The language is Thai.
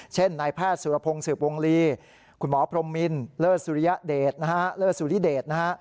เช่นนายแพทย์สุรพงษ์สืบวงฤีคุณหมอพรมมินเลอสุริเดชนะฮะ